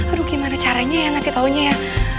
aduh gimana caranya ya ngasih taunya ya